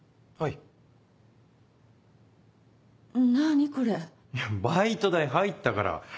いやバイト代入ったから。